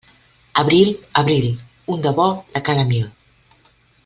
Abril, abril, un de bo de cada mil.